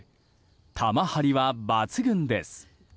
玉張りは抜群です。